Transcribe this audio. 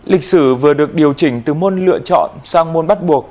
lịch sử vừa được điều chỉnh từ môn lựa chọn sang môn bắt buộc